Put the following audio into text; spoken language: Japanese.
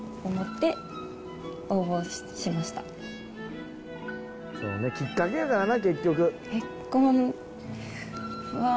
なのでそうねきっかけやからな結局。